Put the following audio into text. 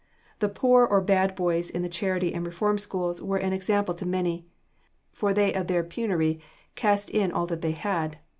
The poor or bad boys in the charity and reform schools were an example to many, for they of their penury cast in all that they had.